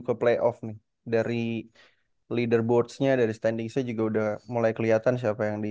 ke playoff nih dari leader boards nya dari standing saya juga udah mulai kelihatan siapa yang di